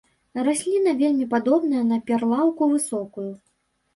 Расліна вельмі падобная на перлаўку высокую.